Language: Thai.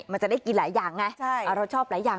มันจะได้กินหลายอย่างไงเราชอบหลายอย่าง